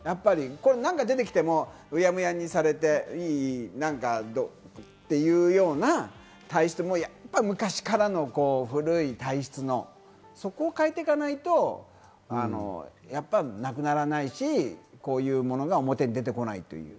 何か出てきても、うやむやにされて、というような体質も昔からの古い体質、そこを変えていかないと、なくならないし、こういうものが表に出てこない。